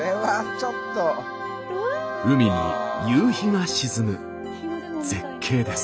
海に夕日が沈む絶景です。